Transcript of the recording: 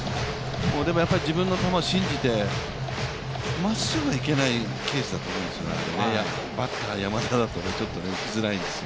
でも自分の球を信じて、まっすぐ行けないケースだと思うんですよ、バッター・山田だとちょっととりづらいんですよ。